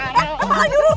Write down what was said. eh apalagi dulu